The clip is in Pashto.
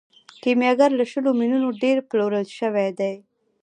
کیمیاګر له شلو میلیونو ډیر پلورل شوی دی.